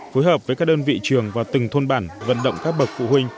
phối hợp với các đơn vị trường và từng thôn bản vận động các bậc phụ huynh